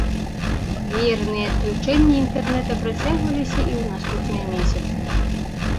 Веерныя адключэнні інтэрнета працягваліся і ў наступныя месяцы.